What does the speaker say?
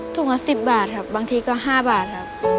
ถุงก็สิบบาทครับบางทีก็ห้าบาทครับ